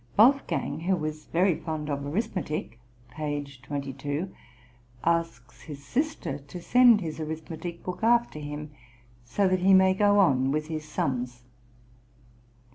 Wolfgang, who was very fond of arithmetic (p. 22), asks his sister to send his arithmetic book after him, so that he may go on with his sums.